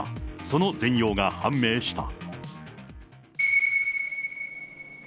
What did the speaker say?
その全容が判明した。